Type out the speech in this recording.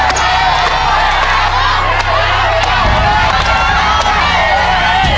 ร่วมพระเจ้า